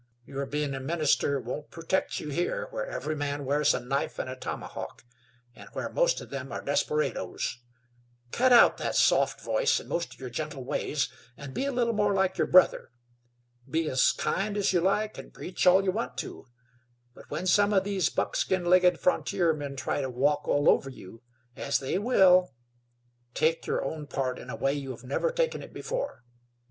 Your being a minister won't protect you here where every man wears a knife and a tomahawk, and where most of them are desperadoes. Cut out that soft voice and most of your gentle ways, and be a little more like your brother. Be as kind as you like, and preach all you want to; but when some of these buckskin legged frontiermen try to walk all over you, as they will, take your own part in a way you have never taken it before.